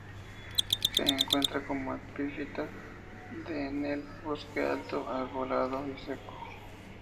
Se encuentra como epífita en el bosque alto arbolado y seco.